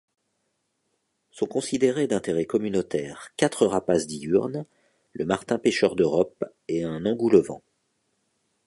Sont considérés d'intérêt communautaire quatre rapaces diurnes, le martin-pêcheur d'Europe et un engoulevent.